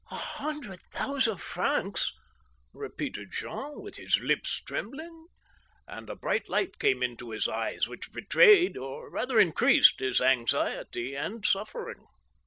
" A hundred thousand francs I " repeated Jean, with his lips trembling ; and a bright light came into his eyes which betrayed or rather increased his anxiety and suffering.